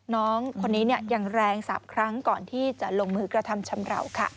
น้องคนนี้อย่างแรง๓ครั้งก่อนที่จะลงมือกระทำชำราวค่ะ